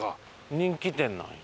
人気店なんや。